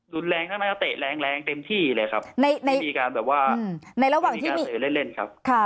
รุนแรงทั้งเตะแรงเต็มที่เลยครับไม่มีการเสร็จเล่นครับ